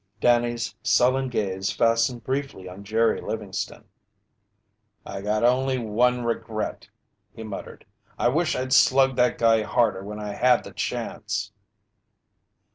Danny's sullen gaze fastened briefly on Jerry Livingston. "I got only one regret!" he muttered. "I wish I'd slugged that guy harder when I had the chance!"